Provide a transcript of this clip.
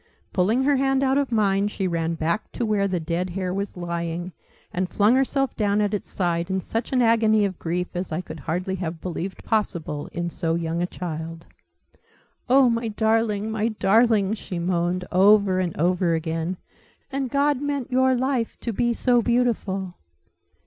Pulling her hand out of mine, she ran back to where the dead hare was lying, and flung herself down at its side in such an agony of grief as I could hardly have believed possible in so young a child. "Oh, my darling, my darling!" she moaned, over and over again. "And God meant your life to be so beautiful!"